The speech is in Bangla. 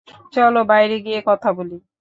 চলো বাইরে গিয়ে কথা বলি।